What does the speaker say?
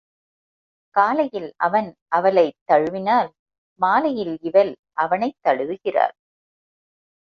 காலையில் அவன் அவளைத் தழுவினாள் மாலையில் இவள் அவனைத் தழுவுகிறாள்.